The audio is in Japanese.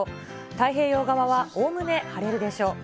太平洋側はおおむね晴れるでしょう。